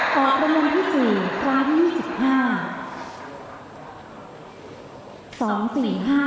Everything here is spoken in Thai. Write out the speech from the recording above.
ตอนที่๒๔ร้านที่๒๔